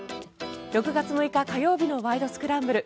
６月６日、火曜日の「ワイド！スクランブル」。